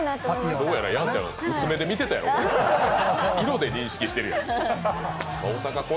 どうやらやんちゃん、薄めで見てたやろ、色で認識してるやろう。